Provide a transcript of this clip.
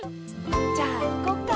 じゃあいこっか？